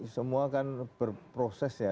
semua kan berproses ya